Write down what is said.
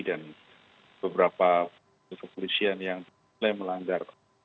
dan beberapa polisi yang menanggar